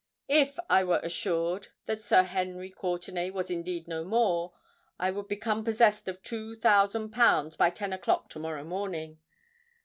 "If I were assured that Sir Henry Courtenay was indeed no more, I would become possessed of two thousand pounds by ten o'clock to morrow morning."